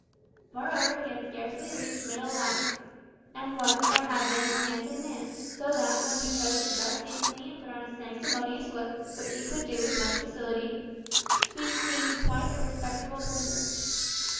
Moreover, he had scarcely reached middle life, and was, or had been, a handsome man, so that, when he chose to dress decently and put on a sanctimonious look (which he could do with much facility), he seemed quite a respectable personage.